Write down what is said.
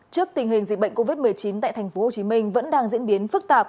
trước tình hình dịch bệnh covid một mươi chín tại tp hcm vẫn đang diễn biến phức tạp